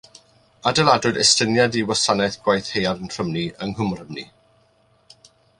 Adeiladwyd estyniad i wasanaethu gwaith haearn Rhymni yng Nghwm Rhymni.